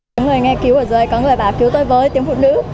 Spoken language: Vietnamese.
những người nghe cứu ở dưới có người bảo cứu tôi với tiếng phụ nữ